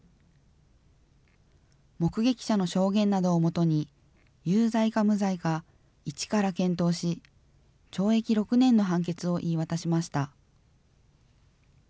目撃者の証言などをもとに、有罪か無罪か一から検討し、懲役６年の判決を言い渡しました。